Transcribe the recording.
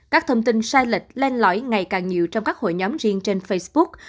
các thông tin sai lệch lên lõi ngày càng nhiều trong các hội nhóm riêng trên facebook